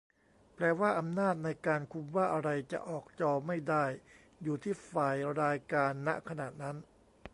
แปลว่าอำนาจในการคุมว่าอะไรจะออกจอไม่ได้อยู่ที่ฝ่ายรายการ ณ ขณะนั้น ?